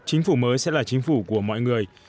chính phủ mới sẽ là chính phủ của mọi người